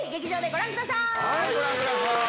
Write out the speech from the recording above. ご覧ください！